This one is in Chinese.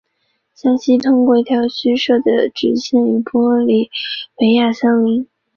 向西通过一条虚设的直线与玻利维亚相邻。